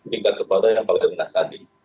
tingkat kepada yang paling rendah tadi